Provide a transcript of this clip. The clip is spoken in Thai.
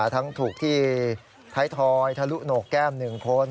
ทั้งถูกที่ท้ายทอยทะลุโหนกแก้ม๑คน